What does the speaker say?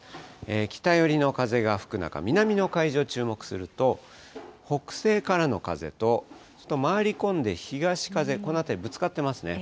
北寄りの風が吹く中、南の海上注目すると、北西からの風と、ちょっと回り込んで、東風、この辺りぶつかってますね。